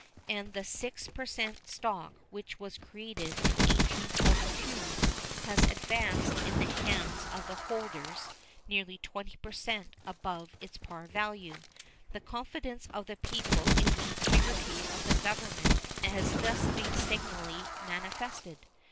And the 6 per cent stock which was created in 1842 has advanced in the hands of the holders nearly 20 per cent above its par value. The confidence of the people in the integrity of their Government has thus been signally manifested.